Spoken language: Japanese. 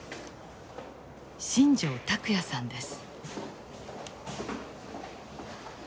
新城拓也さんです。